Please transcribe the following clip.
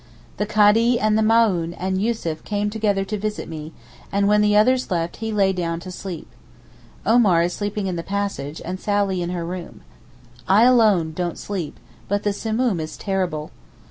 The Kádee, and the Maōhn, and Yussuf came together to visit me, and when the others left he lay down to sleep. Omar is sleeping in the passage, and Sally in her room. I alone don't sleep—but the Simoom is terrible.